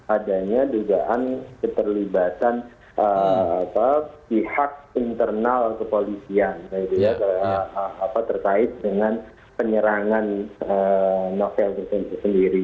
adanya dugaan keterlibatan pihak internal kepolisian terkait dengan penyerangan novel tersebut sendiri